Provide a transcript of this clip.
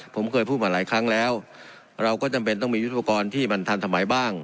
ผมเคยพูดมาหลายครั้งแล้วเราก็จำเป็นต้องมียุทธปกรณ์ที่มันทันสมัยบ้าง